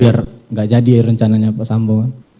biar nggak jadi rencananya pak sambo